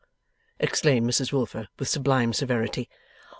exclaimed Mrs Wilfer, with sublime severity.